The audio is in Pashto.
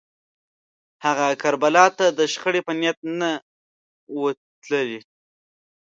هغه کربلا ته د شخړې په نیت نه و تللی